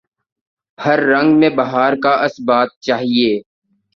ہر رنگ میں بہار کا اثبات چاہیے